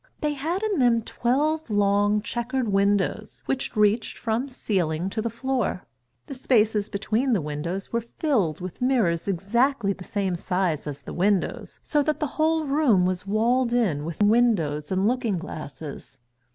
They had in them twelve long, chequered windows which reached from the ceiling to the floor. The spaces between the windows were filled with mirrors exactly the same size as the windows, so that the whole room was walled in with windows and looking glasses.